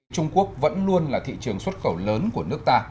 trung quốc vẫn luôn là thị trường xuất khẩu lớn của nước ta